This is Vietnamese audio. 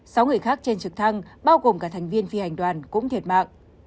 sáu người khác trên trực thăng bao gồm cả thành viên phi hành đoàn cũng thiệt mạng